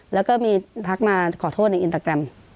แล้วก็มีทักมาขอโทษในอินสตาแกรม